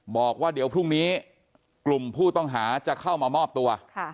บอกว่าเดี๋ยวพรุ่งนี้กลุ่มผู้ต้องหาจะเข้ามามอบตัว